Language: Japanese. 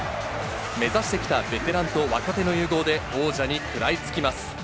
目指してきたベテランと若手の融合で王者に食らいつきます。